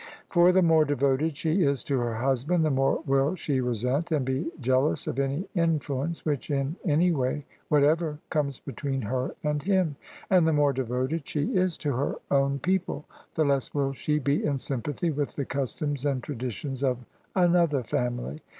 For the more devoted she is to her husband, the more will she resent and be jealous of any influence which in any way whatever comes between her and him : and the more devoted she is to her own people, the less will she be in sympathy with the customs and traditions of another family.